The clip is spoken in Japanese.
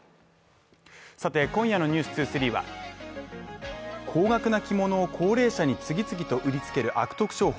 さて、今夜の「ｎｅｗｓ２３」は高額な着物を高齢者に次々と売りつける悪党商法。